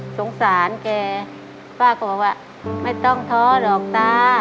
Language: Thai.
สงสารแกป้าก็บอกว่าไม่ต้องท้อหรอกตา